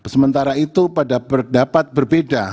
sementara itu pada berdapat berbeda